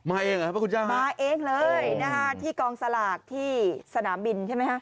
มาเองหรือครับพระคุณจ้างมาเองเลยที่กองสลากที่สนามบินใช่ไหม